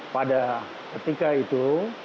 pada ketika itu